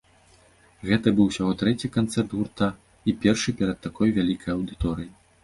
Гэта быў усяго трэці канцэрт гурта, і першы перад такой вялікай аўдыторыяй.